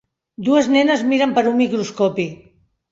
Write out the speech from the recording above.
Dues nenes miren per un microscopi.